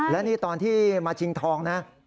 และนี่ตอนที่มาชิงทองนะ